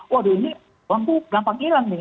waduh ini bambu gampang hilang nih